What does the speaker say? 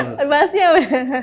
ada bassnya benar